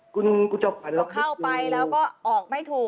คุณผู้ชมฝันเราไม่ถูกก็เข้าไปแล้วก็ออกไม่ถูก